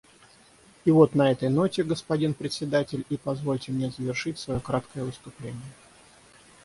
И вот на этой ноте, господин Председатель, и позвольте мне завершить свое краткое выступление.